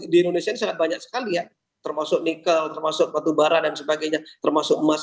di indonesia ini sangat banyak sekali ya termasuk nikel termasuk batu bara dan sebagainya termasuk emas